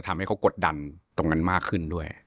ทำให้เขากดดันตรงนั้นมากขึ้นด้วย